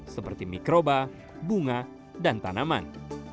seperti mikroba bunga dan tanaman